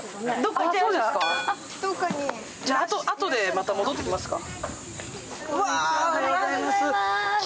あとで、また戻ってきますか。